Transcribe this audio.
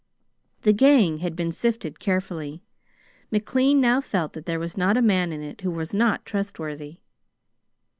The gang had been sifted carefully. McLean now felt that there was not a man in it who was not trustworthy.